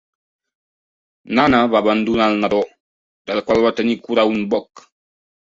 Nana va abandonar el nadó, del qual va tenir cura un boc.